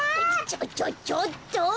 ちょちょちょっと！